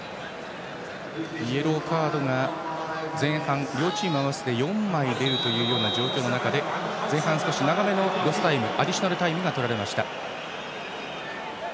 イエローカードが前半、両チーム合わせて４枚出る状況の中で前半、少し長めのアディショナルタイムがとられました。